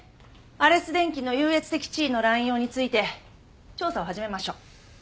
アレス電機の優越的地位の濫用について調査を始めましょう